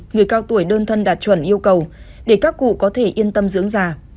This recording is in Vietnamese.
người cao tuổi đơn thân đạt chuẩn yêu cầu để các cụ có thể yên tâm dưỡng già